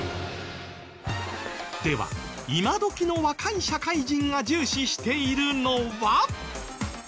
では今どきの若い社会人が重視しているのは。